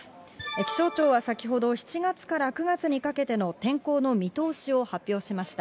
気象庁は先ほど、７月から９月にかけての天候の見通しを発表しました。